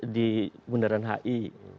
di bundaran hi